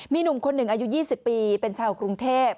มีหนุ่มคนหนึ่งอายุ๒๐ปีเป็นชาวกรุงเทพ